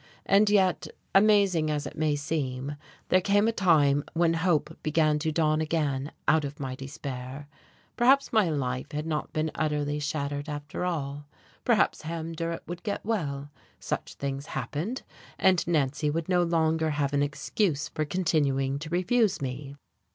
And yet, amazing as it may seem, there came a time when hope began to dawn again out of my despair. Perhaps my life had not been utterly shattered, after all: perhaps Ham Durrett would get well: such things happened, and Nancy would no longer have an excuse for continuing to refuse me.